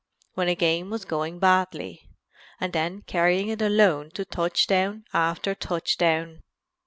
when a game was going badly, and then carrying it alone to touchdown after touchdown."